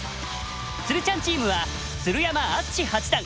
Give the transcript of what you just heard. つるちゃんチームは鶴山淳志八段。